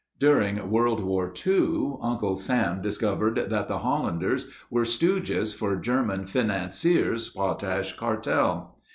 During World War II Uncle Sam discovered that the Hollanders were stooges for German financiers' Potash Cartel.